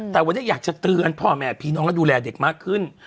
แต่วันนี้อยากจะเตือนพ่อแม่พี่น้องและดูแลเด็กมากขึ้น